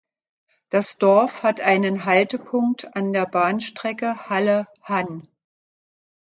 Das Dorf hat einen Haltepunkt an der Bahnstrecke Halle–Hann.